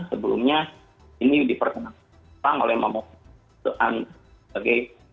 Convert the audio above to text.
sebelumnya mie diperkenalkan oleh memotong